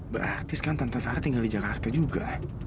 berartis kan tante farah tinggal di jakarta juga